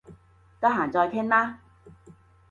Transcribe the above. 得閒再傾啦